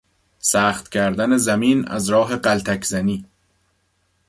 سخت کردن زمین از راه غلتک زنی